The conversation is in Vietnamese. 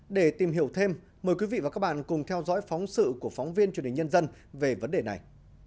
để tìm hiểu thêm mời quý vị và các bạn cùng theo dõi phóng sự của phóng viên truyền hình nhân dân về vấn đề này